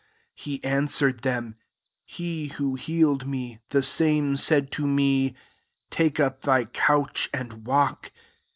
11 He answered them, " He who healed me, the same said to me, 'Take up thy couch, and walk.'